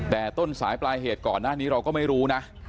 แต่ต้นสายปลายเหตุก่อนหน้านี้เราก็ไม่รู้นะ